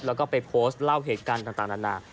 แล้วก็ไปโพสต์เล่าเหตุการณ์ต่างนานา